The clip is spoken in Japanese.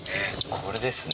ここですね